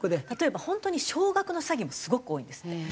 例えば本当に少額の詐欺もすごく多いんですって。